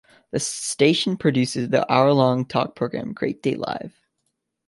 The station produces the hour-long talk program Great Day Live!